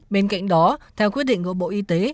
bên cạnh đó theo quyết định của bộ y tế